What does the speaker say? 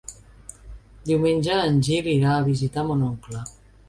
Diumenge en Gil irà a visitar mon oncle.